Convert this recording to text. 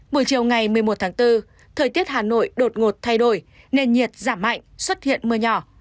buổi chiều ngày một mươi một tháng bốn thời tiết hà nội đột ngột thay đổi nền nhiệt giảm mạnh xuất hiện mưa nhỏ